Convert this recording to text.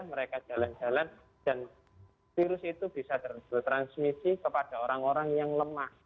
mereka jalan jalan dan virus itu bisa bertransmisi kepada orang orang yang lemah